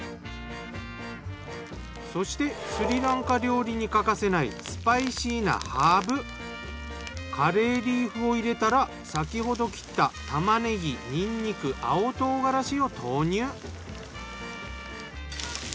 そしてスリランカ料理に欠かせないスパイシーなハーブカレーリーフを入れたら先ほど切った玉ねぎにんにく青唐辛子を投入。